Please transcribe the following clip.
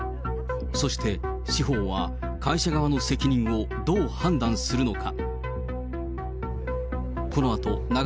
そして司法は会社側の責任をどう判断するのか。